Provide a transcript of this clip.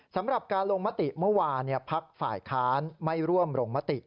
สำหรับการลงมติเมื่อวานพักฝ่ายค้านไม่ร่วมลงมติ